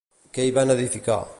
Què hi van edificar?